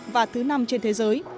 và thứ năm trên thế giới